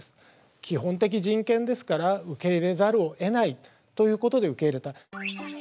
基本的人権ですから受け入れざるをえないということで受け入れた。